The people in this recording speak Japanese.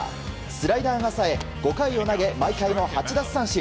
スライダーがさえ５回を投げ、毎回の８奪三振。